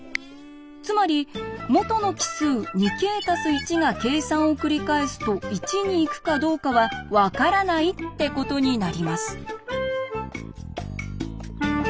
つまり元の奇数「２ｋ＋１」が計算をくりかえすと１に行くかどうかは分からないってことになります。